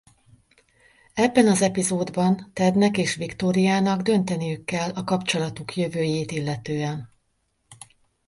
Ebben az epizódban Tednek és Victoriának dönteniük kell a kapcsolatuk jövőjét illetően.